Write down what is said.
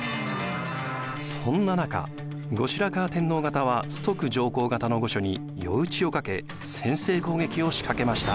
そんな中後白河天皇方は崇徳上皇方の御所に夜討ちをかけ先制攻撃を仕掛けました。